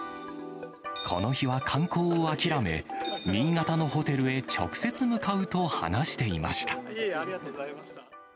この日は観光を諦め、新潟のホテルへ直接向かうと話していました。